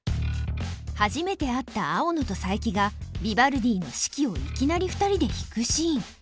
初めて会った青野と佐伯がビバルディの「四季」をいきなり２人で弾くシーン。